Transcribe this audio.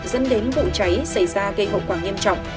dẫn đến vụ cháy xảy ra gây hậu quả nghiêm trọng